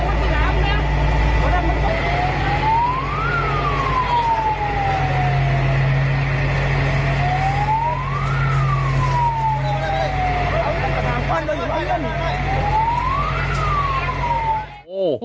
เนี่ยโอ้โห